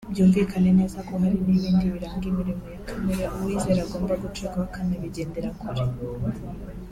Byumvikane neza ko hari n’ibindi biranga imirimo ya kamere uwizera agomba gucikaho akanabigendera kure